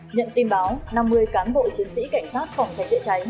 nhận tin báo năm mươi cán bộ chiến sĩ cảnh sát phòng cháy chữa cháy